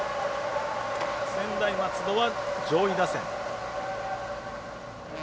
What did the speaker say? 専大松戸は上位打線。